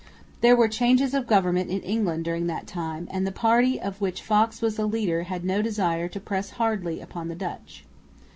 There were changes of government in England during that time, and the party of which Fox was the leader had no desire to press hardly upon the Dutch.